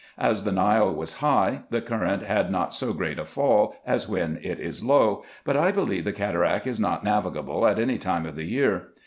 As the Nile was high, the current had not so great a fall, as when it is low ; but I believe the cataract is not navigable at any time of the year.